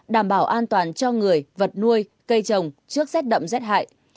đảm bảo an toàn cho người vật nuôi cây trồng trước rét đậm rét hại